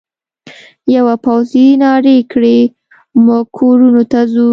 یوه پوځي نارې کړې: موږ کورونو ته ځو.